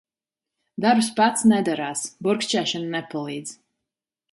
Darbs pats nedarās. Burkšķēšana nepalīdz.